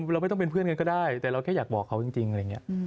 เราไม่ต้องเป็นเพื่อนกันก็ได้แต่เราแค่อยากบอกเขาจริงอะไรอย่างนี้